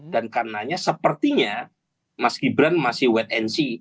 dan karenanya sepertinya mas gibran masih wet and see